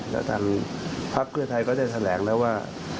และทางภาคนิวไทยก็ได้แสดงแล้วว่า